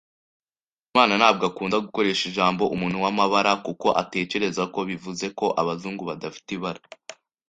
Hakizimana ntabwo akunda gukoresha ijambo "umuntu wamabara" kuko atekereza ko bivuze ko abazungu badafite ibara.